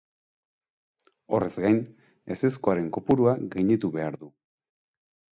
Horrez gain, ezezkoaren kopurua gainditu behar du.